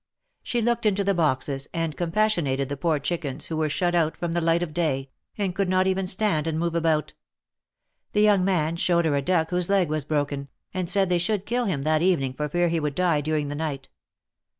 She looked into the boxes, and compassionated the poor chickens, who were shut out from the light of day, and could not even stand and move about. The young man showed her a duck whose leg was broken, and said they should kill him that evening for fear he would die during the night.